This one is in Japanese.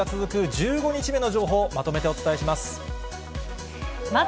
１５日目の情報をまとめてお伝えします。